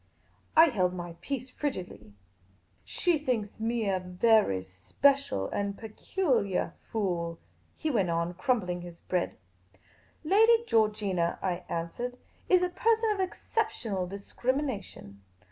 I held my peace frigidly. " She thinks me a very special and peculiah fool," he went on, crumbling his bread. " Lady Georgina," I answered, "is a person of excep tional discrimination.